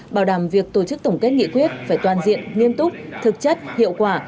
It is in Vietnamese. bảo đảm việc tổ chức tổng kết nghị quyết phải toàn diện nghiêm túc thực chất hiệu quả